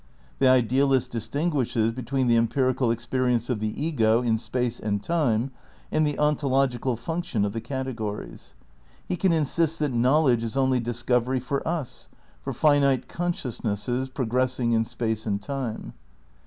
The idealist distinguishes between the empirical experience of the ego in space and time and the ontological function of the categories. He can insist that knowledge is only discovery for us, for finite consciousnesses progress ing in space and time.